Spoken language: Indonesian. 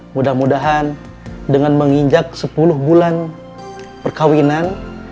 mudah mudahan dengan menginjak sepuluh bulan perkawinan